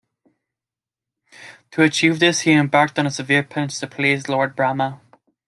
To achieve this, he embarked on a severe penance to please Lord Brahma.